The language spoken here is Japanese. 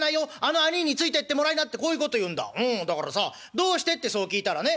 『どうして？』ってそう聞いたらね